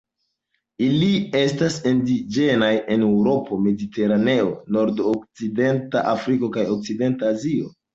Ili estas indiĝenaj en Eŭropo, Mediteraneo, nordokcidenta Afriko kaj okcidenta Azio.